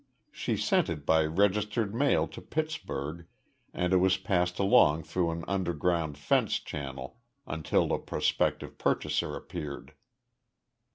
She sent it by registered mail to Pittsburgh and it was passed along through an underground "fence" channel until a prospective purchaser appeared.